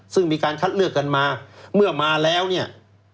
ซึ่งมีการคัดเลือกกันมาเมื่อมาแล้วเนี่ย